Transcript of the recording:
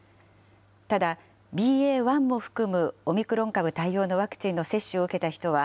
ただ、ＢＡ．１も含むオミクロン株対応のワクチンの接種を受けた人は、